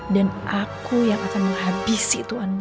dan aku yang akan menghabisi tuanmu